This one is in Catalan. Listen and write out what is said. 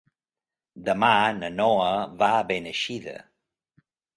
Demà na Noa va a Beneixida.